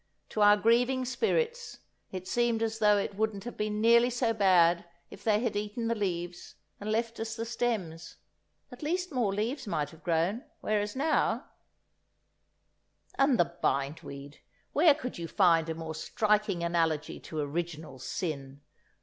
To our grieving spirits, it seemed as though it wouldn't have been nearly so bad if they had eaten the leaves and left us the stems, at least more leaves might have grown, whereas now——! And the bindweed—where could you find a more striking analogy to original sin?